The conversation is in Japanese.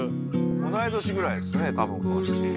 同い年ぐらいですねえ